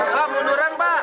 pak munduran pak